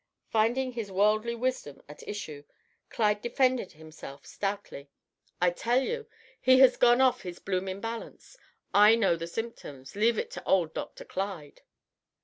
Finding his worldly wisdom at issue, Clyde defended himself stoutly. "I tell you, he has gone off his blooming balance; I know the symptoms; leave it to old Doctor Clyde."